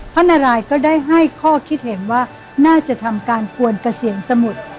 พระนารายก็ได้ให้ข้อคิดเห็นว่าน่าจะทำการกวนเกษียณสมุทร